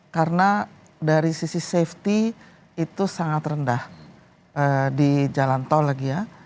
karena dari sisi safety itu sangat rendah di jalan tol lagi ya